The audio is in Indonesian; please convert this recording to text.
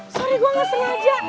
sorry gua gak sengaja